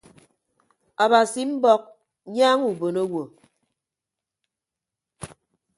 Abasi mbọk nyaaña ubon owo.